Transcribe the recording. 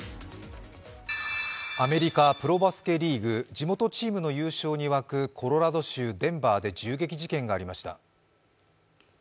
アメリカプロバスケリーグ、地元チームの優勝に沸くコロラド州デンバーで銃撃事件がありました。